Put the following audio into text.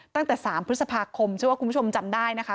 ตั้งแต่๓พฤษภาคมเชื่อว่าคุณผู้ชมจำได้นะคะ